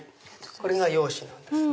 これが洋紙なんですね。